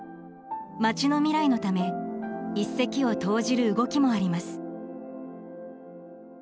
町の未来のため一石を投じる動きもあります。